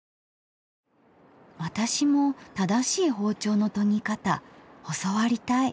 私も正しい包丁の研ぎ方教わりたい。